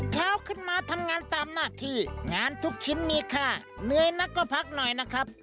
เช้าขึ้นมาทำงานตามหน้าที่งานทุกชิ้นมีค่าเหนื่อยนักก็พักหน่อยนะครับ